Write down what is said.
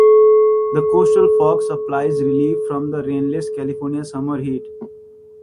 The coastal fog supplies relief from the rainless California summer heat.